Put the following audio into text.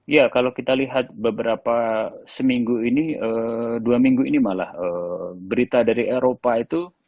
ya kalau kita lihat beberapa seminggu ini dua minggu ini malah berita dari eropa itu